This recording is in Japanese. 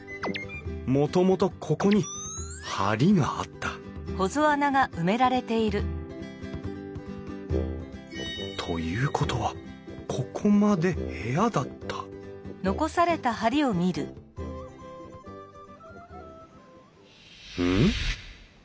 もともとここに梁があったということはここまで部屋だったうん？